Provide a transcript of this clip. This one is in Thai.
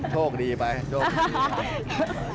โชคดีไปโชคดี